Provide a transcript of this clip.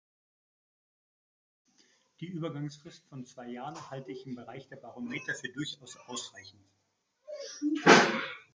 Die Übergangsfrist von zwei Jahren halte ich im Bereich der Barometer für durchaus ausreichend.